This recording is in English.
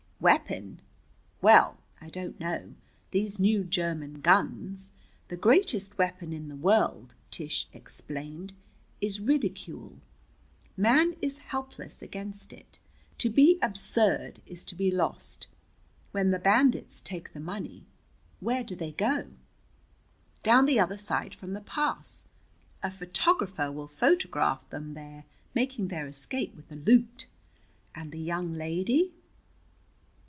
"Weapon? Well, I don't know. These new German guns " "The greatest weapon in the world," Tish explained, "is ridicule. Man is helpless against it. To be absurd is to be lost. When the bandits take the money, where do they go?" "Down the other side from the pass. A photographer will photograph them there, making their escape with the loot." "And the young lady?"